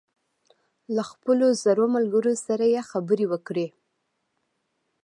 له خپلو زړو ملګرو سره یې خبرې وکړې.